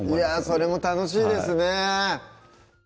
それも楽しいですね